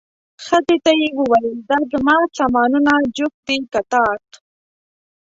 ښځې ته یې وویل، دا زما سامانونه جفت دي که طاق؟